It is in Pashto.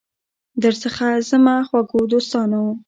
درڅخه ځمه خوږو دوستانو